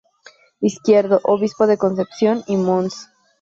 Izquierdo, Obispo de Concepción, y Mons.